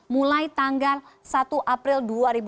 mulai tanggal satu april dua ribu dua puluh